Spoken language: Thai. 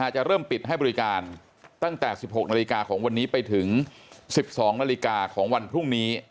จะเริ่มปิดให้บริการตั้งแต่๑๖นาฬิกาของวันนี้ไปถึง๑๒นาฬิกาของวันพรุ่งนี้